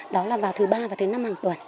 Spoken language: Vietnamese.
đó là vào thứ ba và thứ năm hàng tuần